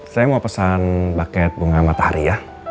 saya mau pesan buket bunga matahari ya